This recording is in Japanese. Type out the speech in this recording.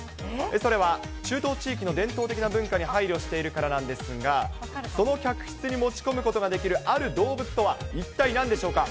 それは中東地域の伝統的な文化に配慮しているからなんですが、その客室に持ち込むことができるある動物とは、一体なんでしょうか。